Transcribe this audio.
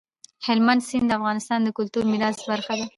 هلمند سیند د افغانستان د کلتوري میراث برخه ده.